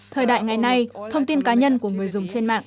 thời đại ngày nay thông tin cá nhân của người dùng trên mạng